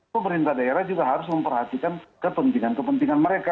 pemerintah daerah juga harus memperhatikan kepentingan kepentingan mereka